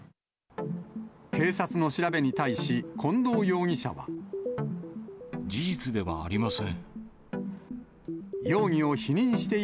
警察の調べに対し、近藤容疑事実ではありません。